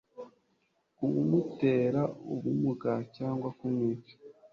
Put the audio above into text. kumutera ubumuga cyangwa kumwica